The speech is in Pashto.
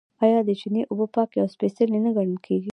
آیا د چینې اوبه پاکې او سپیڅلې نه ګڼل کیږي؟